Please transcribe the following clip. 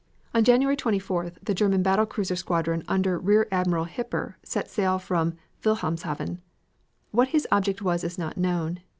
On January 24th the German battle cruiser squadron under Rear Admiral Hipper set sail from Wilhelmshaven. What his object was is not known.